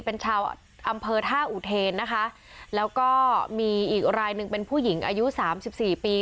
เป็นชาวอำเภอท่าอุเทนนะคะแล้วก็มีอีกรายหนึ่งเป็นผู้หญิงอายุสามสิบสี่ปี